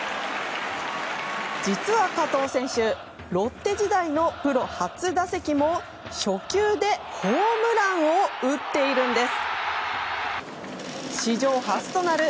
実は加藤選手、ロッテ時代のプロ初打席も初球でホームランを打っているんです！